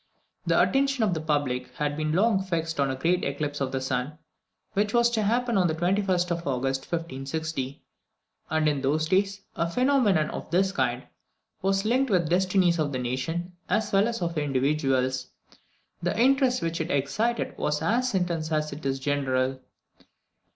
The attention of the public had been long fixed on a great eclipse of the sun, which was to happen on the 21st August 1560; and as in those days a phenomenon of this kind was linked with the destinies of nations as well as of individuals, the interest which it excited was as intense as it was general.